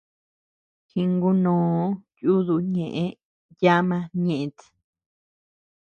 Jingunoo yúduu ñeʼë yama ñëʼét.